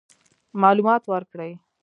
معلومات ورکړي.